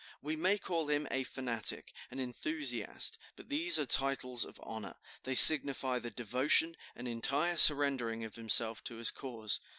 We may call him a fanatic, an enthusiast; but these are titles of honor; they signify the devotion and entire surrendering of himself to his cause.